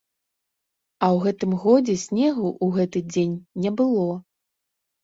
А ў гэтым годзе снегу ў гэты дзень не было.